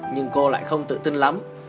nhưng cô lại không tự tin lắm